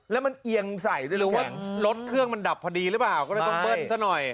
แล้วมันเอียงใส่ได้รู้ว่ารถเครื่องมันดับพอดีหรือเปล่าก็เลยต้องเบิ้ลซะหน่อย